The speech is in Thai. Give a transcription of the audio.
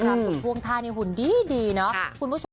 รับกลุ่มภวงทาในหุ่นดีเนาะ